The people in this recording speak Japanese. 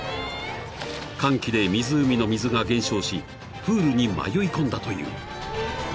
［乾期で湖の水が減少しプールに迷い込んだという］